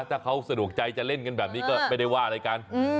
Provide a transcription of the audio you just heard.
ถ้าเขาสะดวกใจจะเล่นกันแบบนี้ก็ไม่ได้ว่าอะไรกัน